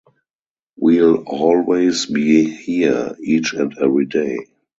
We'll always be here, each and every day.